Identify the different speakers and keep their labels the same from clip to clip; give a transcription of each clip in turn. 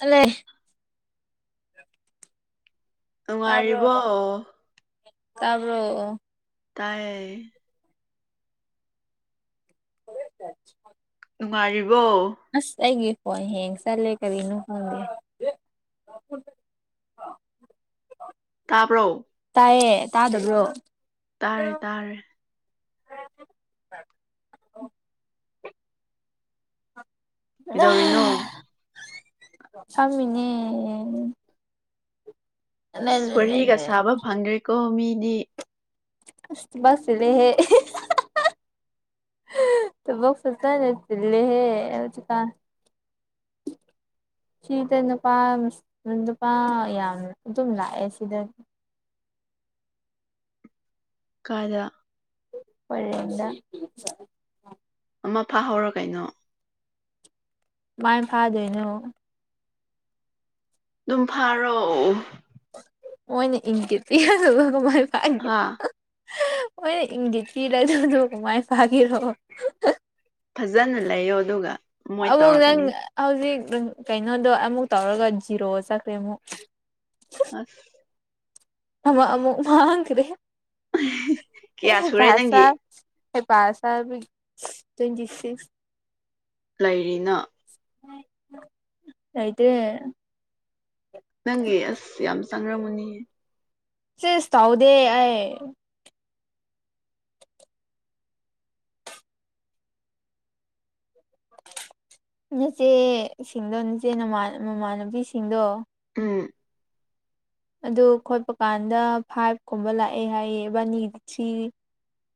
Speaker 1: ꯑꯂꯦ
Speaker 2: ꯅꯨꯡꯉꯥꯏꯔꯤꯕꯣ
Speaker 1: ꯇꯥꯔꯕꯣ
Speaker 2: ꯇꯌꯦ
Speaker 1: [unintelligible]
Speaker 2: ꯅꯨꯡꯉꯥꯏꯔꯤꯕꯣ
Speaker 1: ꯑꯁ ꯑꯩꯒꯤ ꯐꯣꯟ ꯍꯡ ꯆꯠꯂꯦ ꯀꯔꯤꯅꯣ ꯐꯣꯟꯗꯦ [unintelligible]
Speaker 2: ꯇꯄꯣ
Speaker 1: ꯇꯥꯏꯌꯦ ꯇꯥꯗꯕ꯭ꯔꯣ
Speaker 2: ꯇꯥꯔꯦ ꯇꯥꯔꯦ ꯀꯩꯗꯧꯔꯤꯅꯣ
Speaker 1: [unintelligible] ꯁꯃꯤꯅꯦ
Speaker 2: ꯁꯔꯤꯒ ꯁꯥꯕ ꯐꯪꯗ꯭ꯔꯤꯀꯣ ꯃꯤꯗꯤ
Speaker 1: ꯑꯁ ꯕꯥꯁ ꯂꯩꯍꯦ [unintelligible] ꯁꯅꯦ ꯂꯩꯦꯍꯦ ꯀ [inaudible] ꯁꯤꯗ ꯅꯨꯄꯥ ꯅꯨꯄꯥ ꯌꯥꯝ ꯑꯗꯨꯝ ꯂꯥꯛꯑꯦ ꯁꯤꯗ
Speaker 2: ꯀꯥꯗ
Speaker 1: ꯄꯔꯦꯗ
Speaker 2: ꯑꯃ ꯐꯥꯍꯔ ꯀꯩꯅꯣ
Speaker 1: ꯃꯥꯏ ꯐꯥꯗꯣꯏꯅꯣ
Speaker 2: ꯑꯗꯨꯝ ꯐꯥꯔꯣꯑꯣ
Speaker 1: ꯃꯣꯏꯅ ꯏꯪꯈꯤ ꯄꯤ ꯑꯗꯨꯒ ꯀꯃꯥꯏ ꯐꯪꯒꯦ
Speaker 2: ꯍꯥ
Speaker 1: ꯍꯣꯏ ꯏꯪꯗꯤꯠꯀꯤꯗꯁꯨꯁꯨ ꯃꯥꯏ ꯐꯥꯈꯤꯔꯣ
Speaker 2: ꯐꯖꯅ ꯂꯩꯌꯣ ꯑꯗꯨꯒ ꯃꯣꯏ
Speaker 1: ꯑ ꯅꯪ
Speaker 2: ꯇꯧꯔꯛꯀꯅꯤ
Speaker 1: ꯍꯧꯖꯤ ꯀꯩꯅꯣꯗꯣ ꯑꯃꯨꯛ ꯇꯧꯔꯒ ꯖꯤꯔꯣ ꯆꯠꯈ꯭ꯔꯦ ꯑꯃꯨꯛ
Speaker 2: ꯑꯁ
Speaker 1: ꯑꯃꯛ ꯑꯃꯛ ꯃꯥꯡꯈ ꯔꯦ
Speaker 2: ꯀꯌꯥ ꯁꯨꯔꯦ
Speaker 1: ꯄꯥꯁꯥ
Speaker 2: ꯅꯪꯒꯤ
Speaker 1: ꯑꯩ ꯄꯥꯁ ꯇ꯭ꯋꯦꯟꯇꯤ ꯁꯤꯁ
Speaker 2: ꯂꯩꯔꯤꯅ
Speaker 1: ꯑꯥꯏꯗꯦ
Speaker 2: ꯅꯪꯒꯤ ꯑꯁ ꯌꯥꯝ ꯆꯪꯔꯝꯃꯨꯅꯤꯌꯦ
Speaker 1: ꯁꯤꯁ ꯇꯥꯎꯗꯦ ꯑꯩ ꯅꯆꯦ ꯁꯤꯡꯗꯣ ꯅꯆꯦ ꯅ ꯃꯃꯥꯟꯅꯨꯕꯤꯁꯤꯡꯗꯣ
Speaker 2: ꯎꯝ
Speaker 1: ꯑꯗꯨ ꯈꯣꯠꯄ ꯀꯥꯟꯗ ꯐꯥꯏꯚ ꯀꯨꯝꯕ ꯂꯥꯛꯑꯦ ꯍꯥꯏꯌꯦ ꯕꯥꯅꯤꯗꯤ ꯊ꯭ꯔꯤ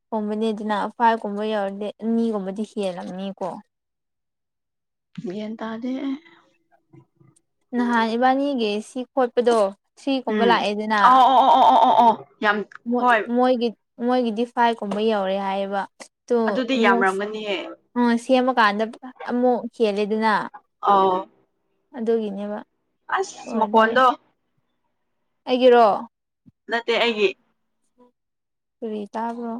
Speaker 1: ꯍꯣꯕꯅꯦ ꯑꯗꯨꯅ ꯑꯐꯀꯨꯝꯕ ꯌꯥꯎꯔꯗꯤ ꯃꯤꯒꯨꯝꯕꯗꯤ ꯍꯦꯜꯂꯝꯅꯤꯀꯣ
Speaker 2: ꯌꯦꯟ ꯇꯗꯦ
Speaker 1: ꯅꯍꯥꯟ ꯏꯕꯥꯅꯤꯒꯤ ꯁꯤ ꯈꯣꯠꯄꯗꯣ ꯁꯤꯒꯨꯝꯕ
Speaker 2: ꯎꯝ
Speaker 1: ꯂꯥꯛꯑꯦꯗꯅ
Speaker 2: ꯑꯣ ꯑꯣ ꯑꯣ ꯑꯣ ꯑꯣ ꯑꯣ ꯑꯣ ꯌꯥꯝ ꯍꯣꯏ
Speaker 1: ꯃꯣꯏꯒꯤ ꯃꯣꯏꯒꯤꯗꯤ ꯐꯥꯏꯚ ꯀꯨꯝꯕ ꯌꯧꯔꯦ ꯍꯥꯏꯌꯦꯕ ꯇꯣ
Speaker 2: ꯑꯗꯨꯗꯤ
Speaker 1: ꯑꯃꯨꯛ
Speaker 2: ꯌꯥꯝꯔꯝꯒꯅꯤꯌꯦ
Speaker 1: [unintelligible] ꯁꯦꯝꯃꯀꯥꯟꯗ ꯑꯃꯨꯛ ꯍꯦꯜꯂꯦ ꯑꯗꯨꯅ
Speaker 2: ꯑꯧ
Speaker 1: ꯑꯗꯨꯒꯤꯅꯦꯕ
Speaker 2: ꯑꯁ
Speaker 1: ꯑꯣꯏꯔꯗꯤ
Speaker 2: ꯃꯈꯀꯣꯟꯗꯣ
Speaker 1: ꯑꯩꯒꯤꯔꯣ
Speaker 2: ꯅꯠꯇꯦ ꯑꯩꯒꯤ
Speaker 1: ꯐꯔꯤ ꯇꯥꯕ꯭ꯔꯣ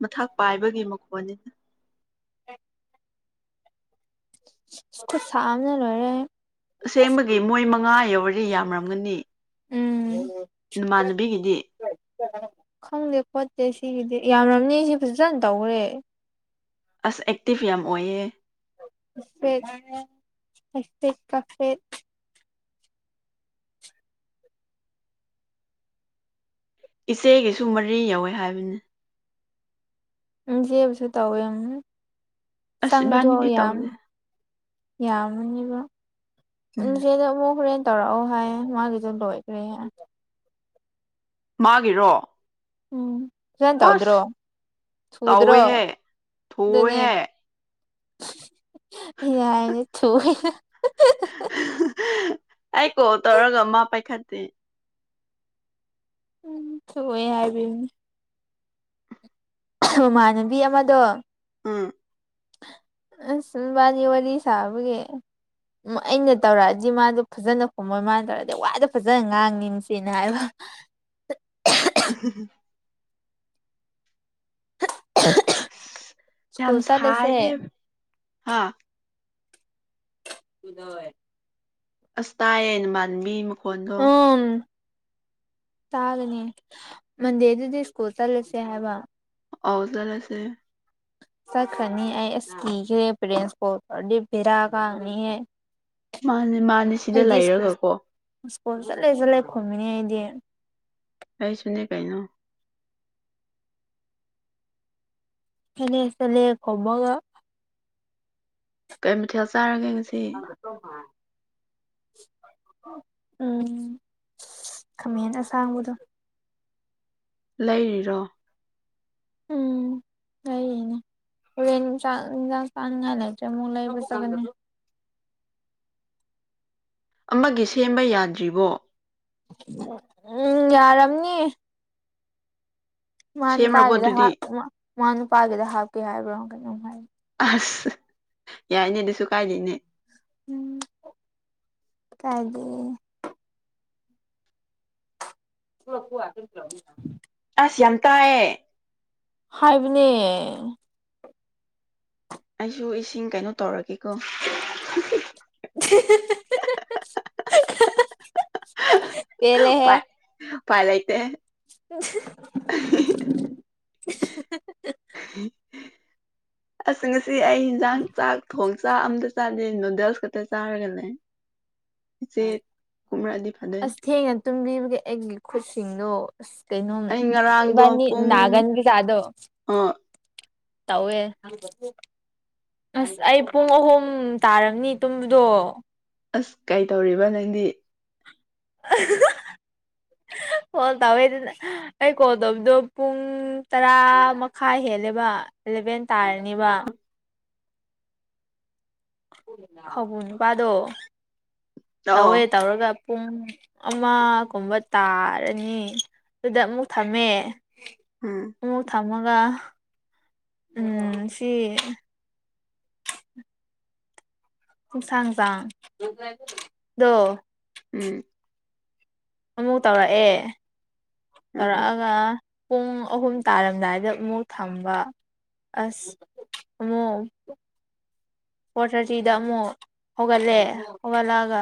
Speaker 2: ꯃꯊꯥꯛ ꯄꯥꯏꯕꯒꯤ ꯃꯈꯣꯟꯅꯤꯅ
Speaker 1: [unintelligible] ꯁꯝꯅ ꯂꯣꯏꯔꯦ
Speaker 2: ꯑꯁꯦꯡꯕꯒꯤ ꯃꯣꯏ ꯃꯉꯥ ꯌꯧꯔꯔꯤ ꯌꯥꯝꯔꯝꯒꯅꯤ
Speaker 1: ꯎꯝ
Speaker 2: ꯅꯨꯃꯥꯟꯅꯕꯤꯒꯤꯗꯤ
Speaker 1: ꯈꯪꯗꯦ ꯈꯣꯠꯇꯦ ꯁꯤꯒꯤꯗꯤ ꯌꯥꯝꯔꯝꯅꯤ ꯁꯤ ꯐꯖꯅ ꯇꯧꯈ꯭ꯔꯦ
Speaker 2: ꯑꯁ ꯑꯦꯛꯇꯤꯞ ꯌꯥꯝ ꯑꯣꯏꯌꯦ
Speaker 1: [unintelligible] ꯀꯐꯦ
Speaker 2: ꯏꯆꯦꯒꯤꯁꯨ ꯃꯔꯤ ꯌꯧꯋꯦ ꯍꯥꯏꯕꯅꯤ
Speaker 1: ꯎꯝ ꯆꯦꯕꯁꯨ ꯇꯧꯋꯦ
Speaker 2: ꯑꯁ
Speaker 1: ꯆꯪꯕꯗꯣ
Speaker 2: ꯏꯕꯥꯅꯤꯗꯤ
Speaker 1: ꯌꯥꯝ
Speaker 2: ꯇꯧꯗꯦ
Speaker 1: ꯌꯥꯝꯅꯦꯕ
Speaker 2: ꯎꯝ
Speaker 1: ꯅꯗ ꯃꯛ ꯍꯣꯔꯦꯟ ꯇꯧꯔꯛꯑꯣ ꯍꯥꯏꯌꯦ ꯃꯥꯒꯤꯁꯨ ꯂꯣꯏꯈ꯭ꯔꯦ
Speaker 2: ꯃꯥꯒꯤꯔꯣ
Speaker 1: ꯎꯝ ꯈꯤꯖꯅ
Speaker 2: ꯑꯁ
Speaker 1: ꯇꯧꯗ꯭ꯔꯣ ꯁꯨꯗ꯭ꯔꯣ
Speaker 2: ꯇꯧꯋꯦꯍꯦ
Speaker 1: ꯑꯗꯨꯅꯤ
Speaker 2: ꯊꯨꯋꯦꯍꯦ
Speaker 1: ꯌꯥꯅꯦ ꯊꯅ
Speaker 2: ꯑꯩ ꯀꯣ ꯇꯔꯒꯃꯥ ꯄꯥꯏꯈꯥꯗꯤ
Speaker 1: ꯎꯝ ꯊ ꯍꯥꯏꯕ ꯃꯃꯥꯟꯅꯕꯤ ꯑꯃꯗꯣ
Speaker 2: ꯑꯥ
Speaker 1: ꯑꯁꯜ ꯃꯥꯅꯤ ꯋꯥꯔꯤ ꯋꯥꯔꯤ ꯁꯥꯕꯒꯦ ꯎꯝ ꯑꯩꯅ ꯇꯧꯔꯛꯑꯗꯤ ꯃꯥꯗꯣ ꯐꯖꯅ ꯈꯣꯃꯣꯏ ꯃꯥꯅ ꯇꯧꯔꯗꯤ ꯋꯥꯏꯗ ꯐꯖꯅ ꯉꯥꯡꯅꯤꯡꯁꯦꯅ ꯍꯥꯏꯕ ꯍ
Speaker 2: ꯎꯝ ꯑ ꯌꯥꯝ
Speaker 1: ꯁ꯭ꯀꯨꯜ
Speaker 2: ꯁꯥꯑ ꯍꯦ
Speaker 1: ꯆꯠꯂꯁꯦ
Speaker 2: ꯍꯥꯥ
Speaker 1: ꯎꯗꯦ
Speaker 2: ꯑꯁ ꯇꯥꯏꯌꯦꯦꯅ ꯃꯥꯟꯃꯤ ꯃꯈꯣꯟꯗꯣ
Speaker 1: ꯇꯥꯒꯅꯤ ꯃꯟꯗꯔꯗꯨꯗꯤ ꯁ꯭ꯀꯨꯜ ꯆꯠꯂꯁꯦ ꯍꯥꯏꯕ
Speaker 2: ꯑꯣꯖꯜꯁꯦ
Speaker 1: ꯁꯛ ꯀꯅꯤ ꯍꯥꯏ ꯏꯁꯀꯤ ꯄ꯭ꯔꯣꯚꯔꯥ ꯀꯍꯅꯤ
Speaker 2: ꯃꯥꯅꯦ ꯃꯥꯅꯦ ꯁꯤꯗ ꯂꯩꯔꯒꯀꯣ
Speaker 1: ꯁ꯭ꯀꯣꯜ ꯆꯠꯂꯦ ꯆꯠꯂꯦ ꯈꯨꯝꯃꯤꯅꯤ ꯑꯩꯗꯤ
Speaker 2: ꯀꯩꯁꯨꯅꯤ ꯀꯥꯏꯩꯅꯣ
Speaker 1: ꯍꯅꯤ ꯆꯦ ꯈꯃ
Speaker 2: ꯀꯩ ꯃꯊꯦꯜ ꯆꯥꯔꯒꯦ ꯉꯁꯤ
Speaker 1: ꯎꯝ ꯈꯥꯃꯦꯟ ꯑꯁꯥꯡꯕꯗꯣ
Speaker 2: ꯂꯩꯔꯤꯔꯣ
Speaker 1: ꯎꯝ ꯁꯩꯅꯦ ꯆ ꯆꯂ ꯃꯂꯕꯨ ꯁ
Speaker 2: ꯑꯃꯒꯤ ꯁꯦꯝꯕ ꯌꯥꯗ꯭ꯔꯤꯕꯣ
Speaker 1: ꯎꯝ ꯌꯥꯔꯝꯅꯤ ꯃꯥ
Speaker 2: ꯁꯦꯝꯔꯕꯣ
Speaker 1: ꯅꯨꯄꯥꯒꯤꯗ
Speaker 2: ꯑꯗꯨꯗꯤ
Speaker 1: ꯃꯥ ꯅꯨꯄꯥꯒꯤꯗ ꯍꯥꯞꯀꯦ ꯍꯥꯏꯕ꯭ꯔꯣ ꯀꯩꯅꯣꯝ ꯍꯥꯏꯦ
Speaker 2: ꯑꯁ ꯌꯥꯏꯅꯦ ꯑꯗꯨꯁꯨ ꯀꯥꯏꯗꯦꯅꯦ
Speaker 1: ꯎꯝ ꯀꯥꯏꯒꯤ ꯂꯗ
Speaker 2: ꯑꯁ ꯌꯝꯇꯑ
Speaker 1: ꯍꯥꯏꯥꯏꯕꯅꯦ
Speaker 2: ꯑꯩꯁꯨ ꯏꯁꯤꯡ ꯀꯩꯅꯣ ꯇꯧꯔꯒꯦꯀꯣ
Speaker 1: [unintelligible] ꯄꯦꯂꯦ ꯍꯦ
Speaker 2: ꯄꯥꯏꯂꯇꯦ
Speaker 1: [inaudible]
Speaker 2: ꯑꯁ ꯉꯁꯤ ꯑꯩ ꯌꯦꯟꯖꯥꯡ ꯆꯥꯛ ꯊꯣꯡ ꯆꯥꯛ ꯑꯝꯗ ꯆꯥꯗꯤ ꯅꯨꯗꯜꯁ ꯀꯇ ꯆꯥꯔꯒꯅꯦ ꯐꯗꯣꯏꯅꯦ
Speaker 1: ꯑꯁ ꯊꯦꯡꯅ ꯇꯨꯝꯕꯤꯕꯒꯦ ꯑꯩꯒꯤ ꯈꯨꯠꯁꯤꯡꯗꯣ ꯀꯩꯅꯣ
Speaker 2: ꯑꯩ ꯉꯔꯥꯡꯗꯣ
Speaker 1: ꯏꯕꯥꯅꯤ
Speaker 2: ꯄꯨꯡ
Speaker 1: ꯅꯥꯒꯥꯟꯒꯤ ꯀꯥꯗꯣ
Speaker 2: ꯑꯣ
Speaker 1: ꯇꯋꯦ ꯑꯁ ꯑꯩ ꯄꯨꯡ ꯑꯍꯨꯝ ꯇꯥꯔꯕꯅꯤ ꯇꯨꯝꯕꯗꯣ
Speaker 2: ꯑꯁ ꯀꯩ ꯇꯧꯔꯤꯕ ꯅꯪꯗꯤ
Speaker 1: [unintelligible] ꯀꯣꯜ ꯇꯧꯋꯦꯗꯅ ꯑꯩ ꯀꯣꯜ ꯇꯧꯕꯗꯣ ꯄꯨꯡ ꯇꯔꯥ ꯃꯈꯥꯏ ꯍꯦꯜꯂꯦꯕ ꯑꯦꯂꯚꯦꯟ ꯇꯥꯔꯅꯤꯕ ꯍꯧꯕ ꯅꯨꯄꯥꯗꯣ
Speaker 2: ꯑꯣ
Speaker 1: ꯇꯧꯋꯦ ꯇꯧꯔꯒ ꯄꯨꯡ ꯑꯃꯒꯨꯝꯕ ꯇꯥꯔꯅꯤ ꯑꯗꯨꯗ ꯑꯃꯨꯛ ꯊꯝꯃꯦ
Speaker 2: ꯍꯥꯝ
Speaker 1: ꯑꯃꯒ ꯎꯝ ꯁꯤ ꯁꯥꯡ ꯁꯥꯡꯗꯣ
Speaker 2: ꯎꯝ
Speaker 1: ꯑꯃꯨꯛ ꯇꯧꯔꯛꯑꯦ
Speaker 2: ꯎꯝ
Speaker 1: ꯇꯧꯔꯛꯑꯒ ꯄꯨꯡ ꯑꯍꯨꯝ ꯇꯥꯔꯝꯗꯥꯏꯗ ꯑꯃꯨꯛ ꯊꯝꯕ ꯑꯁ ꯃꯣ ꯐꯣꯔ ꯊꯥꯔꯇꯤꯗ ꯑꯃꯨꯛ ꯍꯧꯒꯠꯂꯦ ꯍꯧꯒꯠꯂꯛꯒ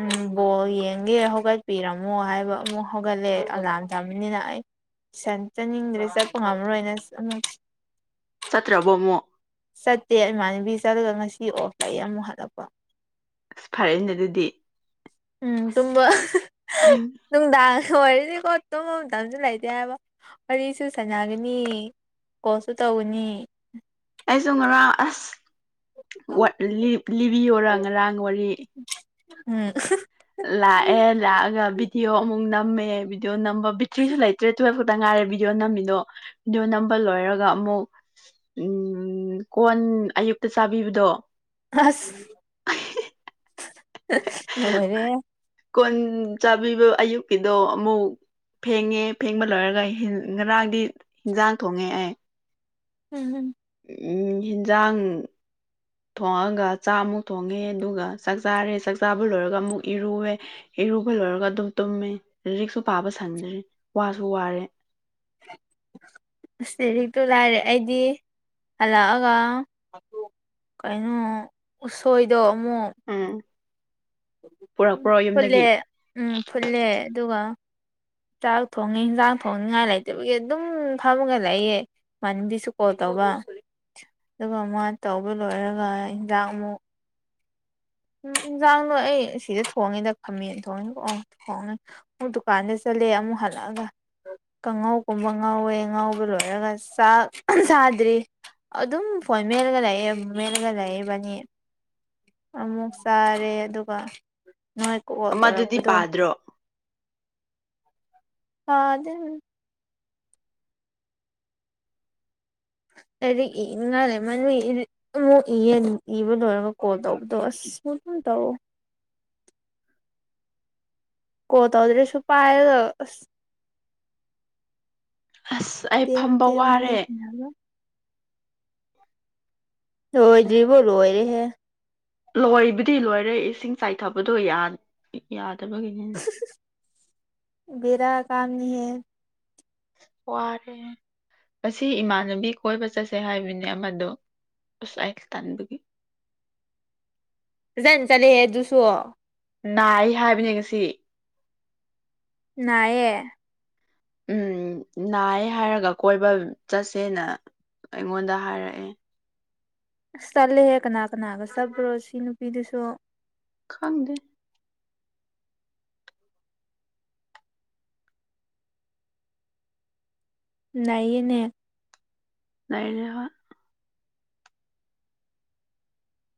Speaker 1: ꯎꯝ ꯕꯣꯜ ꯌꯦꯡꯒꯦ ꯍꯧꯒꯠꯄꯤꯔꯝꯃꯣ ꯍꯥꯏꯕ ꯑꯃꯨꯛ ꯍꯧꯒꯠꯂꯦ ꯑꯂꯥꯝ ꯇꯝꯃꯤꯅꯤꯅ ꯑꯩ ꯟ ꯆꯠꯅꯤꯡꯗ꯭ꯔꯦ ꯆꯠꯄ ꯉꯝꯃꯔꯣꯏꯅ ꯑꯃ
Speaker 2: ꯆꯠꯇ꯭ꯔꯕꯃꯣ
Speaker 1: ꯆꯠꯇꯦ ꯏꯃꯥꯟꯅꯕꯤ ꯆꯠꯂꯒ ꯉꯁꯤ ꯑꯣ ꯂꯩ ꯑꯃꯨꯛ ꯍꯜꯂꯛꯄ
Speaker 2: ꯑꯁ ꯐꯔꯦꯅꯦ ꯑꯗꯨꯗꯤ
Speaker 1: ꯎꯝ ꯇꯨꯝꯕ
Speaker 2: ꯑꯩꯁꯨ
Speaker 1: ꯇꯗ ꯣꯏꯔꯗꯤꯀꯣ ꯇꯨꯝꯐꯝꯝꯇꯁꯨ ꯂꯩꯇꯦ ꯍꯥꯏꯕ ꯋꯥꯔꯤꯁꯨ ꯁꯥꯟꯅꯒꯅꯤ ꯀꯁꯨ ꯇꯧꯅꯤ
Speaker 2: ꯑꯩꯁꯨ ꯉꯔꯥꯡ ꯑꯁ ꯂꯤꯕꯤꯌꯔ ꯉꯔꯥꯡ ꯋꯥꯔꯤ
Speaker 1: ꯎꯝ
Speaker 2: ꯂꯥꯛꯑꯦ ꯂꯥꯛꯑꯒ ꯚꯤꯗꯤꯑꯣ ꯑꯃꯨꯛ ꯅꯝꯃꯦ ꯚꯤꯗꯤꯑꯣ ꯅꯝꯕ ꯕꯤꯔꯤꯊ꯭ꯔꯤꯁꯨ ꯂꯩꯇ꯭ꯔꯦ ꯇꯨꯋꯜ ꯇ ꯉꯥꯏꯔꯦ ꯚꯤꯗꯤꯑꯣ ꯅꯝꯃꯤꯗꯣ ꯚꯤꯗꯤꯑꯣ ꯅꯝꯕ ꯂꯣꯏꯔꯒ ꯑꯃꯨꯛ ꯎꯝ ꯀꯣꯟ ꯑꯌꯨꯛꯇ ꯆꯥꯕꯤꯕꯗꯣ
Speaker 1: ꯑꯁ ꯅꯣꯏꯅꯦꯦ
Speaker 2: ꯀꯣꯟ ꯆꯥꯕꯤꯕ ꯑꯌꯨꯛꯀꯤꯗꯣ ꯑꯃꯨꯛ ꯐꯦꯡꯉꯦ ꯐꯦꯡꯕ ꯂꯣꯏꯔꯒ ꯉꯔꯥꯡꯗꯤ ꯍꯤꯟꯖꯥꯡ ꯊꯣꯡꯉꯦ ꯑꯩ
Speaker 1: ꯎꯝ
Speaker 2: ꯎꯝ ꯍꯤꯟꯖꯥꯡ ꯊꯣꯡꯉꯒ ꯆꯥꯃꯨꯛ ꯊꯣꯡꯉꯦ ꯑꯗꯨꯒ ꯆꯥꯛ ꯆꯥꯔꯦ ꯆꯥꯛ ꯆꯥꯕ ꯂꯣꯏꯔꯒ ꯑꯃꯨꯛ ꯏꯔꯨꯋꯦ ꯏꯔꯨꯕ ꯂꯣꯏꯔꯒ ꯑꯗꯨꯝ ꯇꯨꯝꯃꯦ ꯔꯤꯛꯁꯨ ꯄꯥꯕ ꯁꯪꯗ꯭ꯔꯔꯤ ꯋꯥꯁꯨ ꯋꯥꯔꯦ
Speaker 1: [unintelligible] ꯑꯁ ꯂꯔꯤꯛꯇꯨ ꯂꯥꯏꯔꯦ ꯑꯩꯗꯤ ꯍꯜꯂꯛꯑꯒ ꯀꯩꯅꯣ ꯎꯁꯣꯏꯗꯣ ꯑꯃꯨꯛ
Speaker 2: ꯎꯝ
Speaker 1: ꯎ
Speaker 2: ꯄꯨꯔꯛꯄ꯭ꯔꯣ
Speaker 1: ꯐꯨꯠꯂꯦ
Speaker 2: ꯌꯨꯝꯗꯒꯤ
Speaker 1: ꯎꯝ ꯐꯨꯠꯂꯦ ꯑꯗꯨꯒ ꯆꯥꯛ ꯊꯣꯡꯉꯤ ꯌꯦꯟꯁꯥꯡ ꯊꯣꯡꯅꯤꯉꯥꯏ ꯂꯩꯇꯕꯒꯤ ꯑꯗꯨꯝ ꯐꯃꯒ ꯂꯩꯌꯦ ꯃꯟꯤꯁꯛ ꯍꯇꯥ ꯋꯥ ꯑꯗꯨꯒ ꯃꯥ ꯇꯧꯕ ꯂꯣꯏꯔꯒ ꯍꯟꯖꯥꯛ ꯑꯃꯨꯛ ꯎꯝ ꯏꯟꯁꯥꯡꯗꯣ ꯑꯩ ꯁꯤꯗ ꯊꯣꯡꯉꯦꯗ ꯈꯥꯃꯦꯟ ꯊꯣꯡꯉꯦꯀꯣꯛ ꯊꯣꯡꯉꯦ ꯑꯃꯨꯛ ꯗꯨꯀꯥꯟꯗ ꯆꯠꯂ ꯂꯩ ꯑꯃꯨꯛ ꯍꯜꯂꯛꯑꯒ ꯀꯥꯡꯉꯧꯒꯨꯝꯕ ꯉꯥꯎꯋꯦ ꯉꯕ ꯂꯣꯏꯔꯒ ꯆꯥꯛ ꯊꯥꯗ꯭ꯔꯤ ꯑꯗꯨꯝ ꯐꯣꯟ ꯃꯦꯜꯂꯒ ꯂꯩꯑ ꯃꯦꯜꯂꯒ ꯂꯩꯏꯕꯅꯤ ꯑꯃꯨꯛ ꯆꯥꯔꯦ ꯑꯗꯨꯒ ꯅꯣꯏꯥꯏ ꯀꯣꯛꯋꯜ
Speaker 2: ꯑꯃꯗꯨꯗꯤ
Speaker 1: ꯇꯧꯔꯛꯄꯗꯣ
Speaker 2: ꯄꯥꯗ꯭ꯔꯣ
Speaker 1: ꯍꯥ ꯑꯗꯨ ꯍ ꯑꯩꯗꯤ ꯏꯅꯤꯡꯉꯥꯏꯜꯂꯦ ꯃ ꯑꯃꯨꯛ ꯏ ꯏꯕ ꯂꯣꯏꯔꯒ ꯀꯣꯜ ꯇꯧꯕꯗꯣ ꯑꯁ ꯇꯣ ꯀꯣ ꯇꯧꯗ꯭ꯔꯦꯁꯨ ꯄꯥꯏ ꯑꯁ
Speaker 2: ꯑꯁ ꯑꯩ ꯐꯝꯕ
Speaker 1: ꯇ ꯋꯥ
Speaker 2: ꯋꯥꯔꯦ
Speaker 1: ꯑꯣꯏ ꯑꯣꯏꯗ꯭ꯔꯤꯕꯣꯂ ꯑꯣꯏꯔꯦꯍꯦ
Speaker 2: ꯂꯣꯏꯕꯨꯗꯤ ꯂꯣꯏꯔꯦ ꯏꯁꯤꯡ ꯆꯥꯏꯊꯕꯗꯣ ꯌꯥꯅꯤ ꯇꯕꯒꯤ
Speaker 1: ꯀꯥꯝꯃꯤꯍ
Speaker 2: ꯋꯥꯔꯦ ꯉꯁꯤ ꯏꯃꯥꯟꯅꯕꯤ ꯀꯣꯏꯕ ꯆꯠꯁꯦ ꯍꯥꯏꯕꯅꯦ ꯑꯃꯗꯣ ꯑꯣꯁꯥꯏꯜ ꯇꯥꯟꯕꯒꯤꯦ
Speaker 1: ꯖꯅ ꯆꯂꯦꯦ ꯑꯗꯨꯁꯨ
Speaker 2: ꯅꯥꯏ ꯍꯥꯏꯕ ꯌꯦꯉꯁꯤ
Speaker 1: ꯌꯦ
Speaker 2: ꯎꯝ ꯅꯥꯏ ꯍꯥꯏꯔꯒ ꯀꯣꯏꯕ ꯆꯠꯁꯦꯅ ꯑꯩꯉꯣꯟꯗ ꯍꯥꯏꯔꯛꯑꯦ
Speaker 1: ꯑꯁ ꯆꯠꯂꯦꯍꯦ ꯀꯅꯥ ꯀꯅꯥꯒ ꯆꯠꯄ꯭ꯔꯣ ꯁꯤ ꯅꯨꯄꯤꯗꯨꯁꯨ
Speaker 2: ꯈꯪꯗꯦ
Speaker 1: ꯅꯩꯅꯅꯥꯏꯌꯦꯅꯦ
Speaker 2: ꯇꯥꯏꯔ ꯍ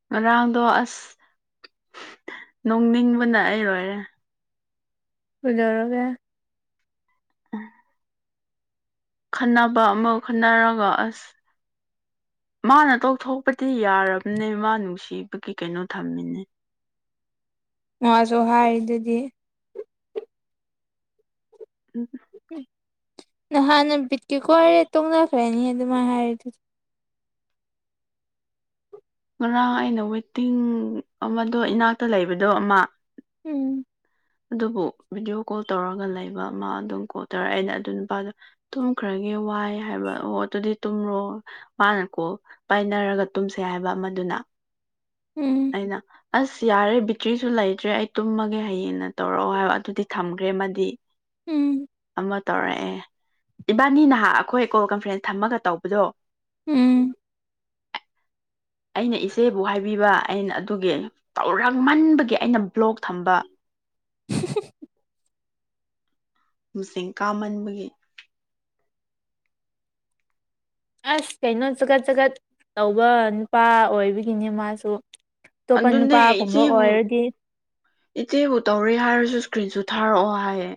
Speaker 2: ꯉꯔꯥꯡꯗꯣ ꯑꯁ ꯅꯣꯡꯅꯤꯡꯕꯅ ꯑꯩ ꯂꯣꯏꯔꯦ
Speaker 1: ꯑꯗꯨꯖꯔꯒꯦ
Speaker 2: ꯈꯟꯅꯕ ꯑꯃ ꯈꯟꯅꯔꯒ ꯑꯁ ꯃꯥꯅ ꯇꯧꯊꯣꯛꯄꯗꯤ ꯌꯥꯔꯕꯅꯦ ꯃꯥ ꯅꯨꯡꯁꯤꯕꯒꯤ ꯀꯩꯅꯣ ꯊꯝꯃꯤꯅꯦ
Speaker 1: ꯃꯥꯁꯨ ꯍꯥꯏꯗꯨꯗꯤ
Speaker 2: ꯎꯝ
Speaker 1: ꯅꯍꯥꯟꯅ ꯕꯤꯠꯀꯦꯀꯣꯏꯔꯦ ꯇꯣꯡꯅꯈ꯭ꯔꯅꯤ ꯑꯗꯨꯃꯥꯏꯅ ꯍꯥꯏꯔ ꯑꯗꯨꯗꯤ
Speaker 2: ꯉꯔꯥꯡ ꯑꯩꯅ ꯋꯦꯇꯤꯡ ꯑꯃꯗꯣ ꯏꯅꯥꯛꯇ ꯂꯩꯕꯗꯣ ꯑꯃ
Speaker 1: ꯎꯝ
Speaker 2: ꯑꯗꯨꯕꯨ ꯚꯤꯗꯤꯑꯣ ꯀꯣꯜ ꯇꯧꯔꯒ ꯂꯩꯕ ꯑꯃ ꯑꯗꯨꯝ ꯀꯣ ꯇꯧꯔꯦ ꯑꯩꯅ ꯑꯗꯨ ꯅꯨꯄꯥꯗꯣ ꯇꯨꯝꯈ꯭ꯔꯒꯤ ꯋꯥꯏ ꯍꯥꯏꯕ ꯑꯣ ꯑꯗꯨꯗꯤ ꯇꯨꯝꯔꯣ ꯃꯥꯅꯀꯣ ꯄꯥꯏꯅꯔꯒ ꯇꯨꯝꯁꯦ ꯍꯥꯏꯕ ꯑꯃꯗꯨꯅꯤ
Speaker 1: ꯎꯝ
Speaker 2: ꯑꯩꯅ ꯑꯁ ꯌꯥꯔꯦ ꯕꯤꯇ꯭ꯔꯤꯁꯨ ꯂꯩꯇ꯭ꯔꯦ ꯑꯩ ꯇꯨꯝꯃꯒꯦ ꯍꯌꯦꯡꯅ ꯇꯧꯔꯛꯑꯣ ꯍꯥꯏꯕ ꯑꯗꯨꯗꯤ ꯊꯝꯈ꯭ꯔꯦ ꯑꯃꯗꯤ
Speaker 1: ꯎꯝ
Speaker 2: ꯇꯧꯔꯛꯑꯦ ꯏꯕꯥꯅꯤ ꯅꯍꯥꯛ ꯑꯩꯈꯣꯏ ꯀꯣꯜ ꯀꯟꯐ꯭ꯔꯦꯟꯁ ꯊꯝꯃꯒ ꯇꯧꯕꯗꯣ
Speaker 1: ꯎꯝ
Speaker 2: ꯑꯩꯅ ꯏꯆꯦꯕꯨ ꯍꯥꯏꯕꯤꯕ ꯑꯩꯅ ꯑꯗꯨꯒꯤ ꯇꯧꯔꯛꯃꯟꯕꯒꯤ ꯑꯩꯅ ꯕ꯭ꯂꯣꯛ ꯊꯝꯕ
Speaker 1: [inaudible]
Speaker 2: ꯃꯁꯤꯡ ꯀꯥꯃꯟꯕꯒꯤ
Speaker 1: ꯑꯁ ꯀꯩꯅꯣ ꯆꯀꯠ ꯆꯈꯠ ꯇꯧꯕ ꯅꯨꯄꯥ ꯑꯣꯏꯕꯒꯤꯅꯦ ꯃꯥꯁꯨ ꯑꯇꯣꯞꯄ
Speaker 2: ꯑꯗꯨꯅꯦ
Speaker 1: ꯅꯨꯄꯥꯒꯨꯝꯕ
Speaker 2: ꯏꯆꯦꯕꯨ
Speaker 1: ꯑꯣꯏꯔꯗꯤ
Speaker 2: ꯏꯆꯦꯕꯨ ꯇꯧꯔꯦ ꯍꯥꯏꯔꯁꯨ ꯏꯁꯀ꯭ꯔꯤꯟꯁꯨ ꯊꯥꯔꯛꯑꯣ ꯍꯥꯏꯌꯦ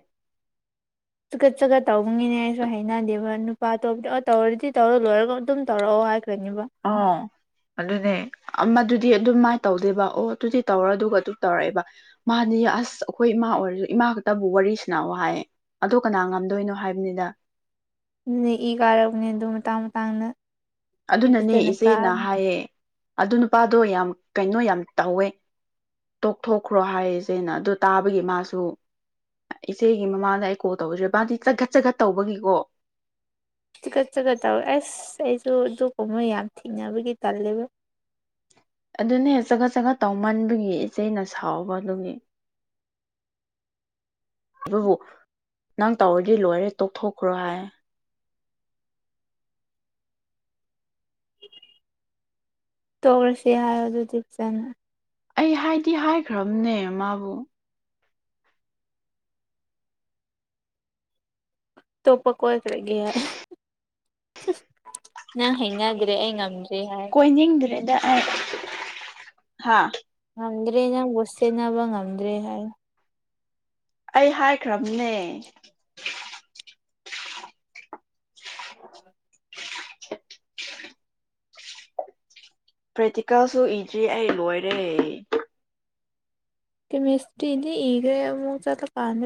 Speaker 1: ꯆꯨꯀꯠ ꯆꯠꯀꯠ ꯇꯧꯅꯤꯅꯦ ꯑꯩꯁꯨ ꯍꯩꯅꯗꯦꯕ ꯅꯨꯄꯥ ꯑꯇꯣꯞꯗꯤ ꯑꯣ ꯇꯧꯔꯗꯤ ꯇꯧꯔ ꯂꯣꯏꯔꯒ ꯑꯗꯨꯝ ꯇꯧꯔꯛꯑꯣ ꯍꯥꯏ
Speaker 2: ꯑꯣ ꯑꯗꯨꯅꯦ ꯃꯗꯨꯗꯤ ꯑꯗꯨꯝ ꯃꯥꯏꯅ ꯇꯧꯗꯦꯕ ꯑꯣ ꯑꯗꯨꯗꯤ ꯇꯧꯔ ꯑꯗꯨꯒ ꯑꯗꯨ ꯇꯧꯔꯛꯑꯦꯕ ꯃꯥꯗꯤ ꯑꯁ ꯑꯩꯈꯣꯏ ꯏꯃ ꯑꯣꯏꯔꯁꯨ ꯏꯃꯥ ꯈꯛꯇꯕꯨ ꯋꯥꯔꯤꯁꯤꯅꯥ ꯍꯥꯏꯌꯦ ꯑꯗꯣ ꯀꯅꯥ ꯉꯝꯗꯣꯏꯅꯣ ꯍꯥꯏꯕꯅꯤꯗ
Speaker 1: ꯅ ꯏ ꯀꯥꯔꯕꯅꯦ ꯑꯗꯨ ꯃꯇꯥꯡ ꯃꯇꯥꯡꯗ ꯑꯩ
Speaker 2: ꯑꯗꯨꯅꯅꯦ
Speaker 1: ꯐꯖꯅ
Speaker 2: ꯏꯆꯦꯅ
Speaker 1: ꯀꯥꯕꯅꯤ
Speaker 2: ꯍꯥꯏꯌꯦ ꯑꯗꯨ ꯅꯨꯄꯥꯗꯣ ꯌꯥꯝ ꯀꯩꯅꯣ ꯌꯥꯝ ꯇꯧꯋꯦ ꯇꯣꯛꯊꯣꯛꯈ꯭ꯔꯣ ꯍꯥꯏꯔꯤꯁꯦꯅ ꯑꯗꯨ ꯇꯥꯕꯒꯤ ꯃꯥꯁꯨ ꯏꯆꯦꯒꯤ ꯃꯃꯥꯗ ꯑꯩ ꯀꯣꯜ ꯇꯧꯖ꯭ꯔꯦ ꯕꯥꯗꯤ ꯆꯈꯠ ꯆꯈꯠ ꯇꯧꯕꯒꯤꯀꯣ
Speaker 1: ꯊꯤꯀꯠ ꯆꯀꯠ ꯇꯧꯔ ꯑꯁ ꯑꯩꯁꯨ ꯑꯗꯨꯄ ꯃꯣꯏ ꯌꯥꯝ ꯊꯦꯡꯅꯕꯒꯤ ꯇꯜꯂꯦꯕ [inaudible]
Speaker 2: ꯑꯗꯨꯅꯦ ꯆꯒꯠ ꯆꯒꯠ ꯇꯧꯃꯟꯕꯒꯤ ꯏꯆꯩꯅ ꯁꯥꯎꯕꯗꯨꯒꯤ ꯑꯗꯨꯕꯨ ꯅꯪ ꯇꯧꯔꯗꯤ ꯂꯣꯏꯔꯦ ꯇꯣꯛꯊꯣꯛꯈ꯭ꯔꯣ ꯍꯥꯏ
Speaker 1: ꯇꯧꯔꯁꯤ ꯍꯥꯏꯔ ꯑꯗꯨꯗꯤꯞ ꯆꯅ
Speaker 2: ꯑꯩ ꯍꯥꯏꯗꯤ ꯍꯥꯏꯈ꯭ꯔꯕꯅꯦ ꯃꯥꯕꯨ
Speaker 1: ꯇꯣꯞꯄ ꯀꯣꯏꯈ꯭ꯔꯒꯦ ꯅꯪ ꯍꯩꯅꯗ꯭ꯔꯦ ꯑꯩ ꯉꯝꯗ
Speaker 2: ꯀꯣꯏꯅꯤꯡꯗ꯭ꯔꯦꯗ ꯍꯥ
Speaker 1: ꯉꯝꯗ꯭ꯔꯦ ꯅꯪꯕꯨ ꯁꯦꯠꯟꯅꯕ ꯉꯝꯗ꯭ꯔꯦ ꯍꯥꯏ
Speaker 2: ꯑꯩ ꯍꯥꯏꯈ꯭ꯔꯕꯅꯦ ꯄ꯭ꯔꯦꯛꯇꯤꯀꯦꯜꯁꯨ ꯏꯗ꯭ꯔꯤ ꯑꯩ ꯂꯣꯏꯔꯦ
Speaker 1: ꯃꯦꯁꯇ꯭ꯔꯤ ꯏꯗꯤ ꯏꯒꯦ ꯑꯃ ꯁꯄꯥꯟꯃꯤ